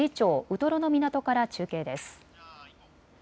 ウトロの港から中継です。